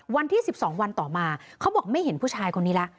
วันที่๑๒วันต่อมาเขาบอกไม่เห็นผู้ชายคนนี้แล้ว